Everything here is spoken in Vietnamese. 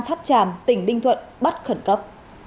tháp tràm tỉnh đinh thuận bắt khẩn cấp